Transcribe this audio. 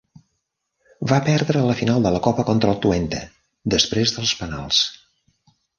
Va perdre la final de la copa contra el Twente després dels penals.